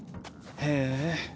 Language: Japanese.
へえ。